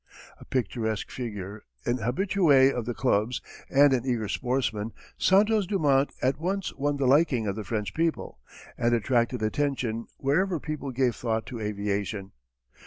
A picturesque figure, an habitué of the clubs and an eager sportsman, Santos Dumont at once won the liking of the French people, and attracted attention wherever people gave thought to aviation.